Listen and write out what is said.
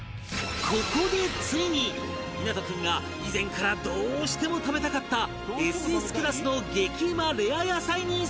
ここでついに湊君が以前からどうしても食べたかった ＳＳ クラスの激うまレア野菜に遭遇！